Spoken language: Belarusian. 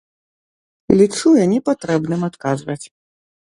Лічу я непатрэбным адказваць!